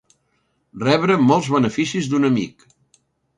Rebre molts beneficis d'un amic.